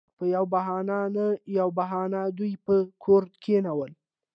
پـه يـوه بهـانـه نـه يـوه بهـانـه دوي پـه کـور کېـنول.